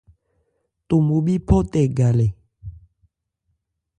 Tobhobhî phɔ tɛ galɛ.